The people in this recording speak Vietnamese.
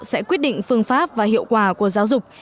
sẽ quyết định phương pháp và hiệu quả của giáo dục